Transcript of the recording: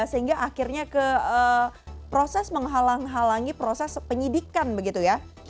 sehingga akhirnya ke proses menghalangi proses penyidikan begitu ya